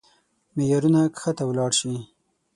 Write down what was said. معيارونه کښته ولاړ شي.